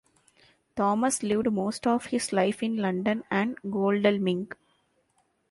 Thomas lived most of his life in London and Godalming.